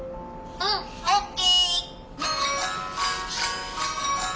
うん。ＯＫ！